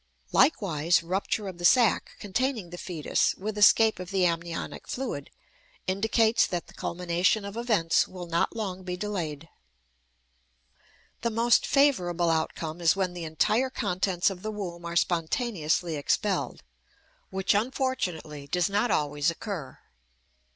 Likewise, rupture of the sack containing the fetus, with escape of the amniotic fluid, indicates that the culmination of events will not long be delayed. The most favorable outcome is when the entire contents of the womb are spontaneously expelled, which unfortunately does not always occur.